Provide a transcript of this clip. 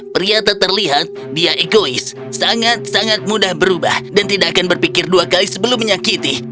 pria tak terlihat dia egois sangat sangat mudah berubah dan tidak akan berpikir dua kali sebelum menyakiti